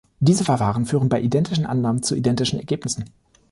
Diese Verfahren führen bei identischen Annahmen zu identischen Ergebnissen.